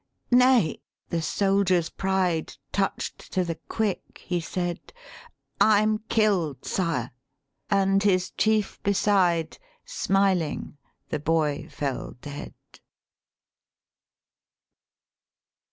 'Nay,' the soldier's pride Touched to the quick, he said: 'I'm killed, Sire!' And his chief beside, Smiling the boy fell dead."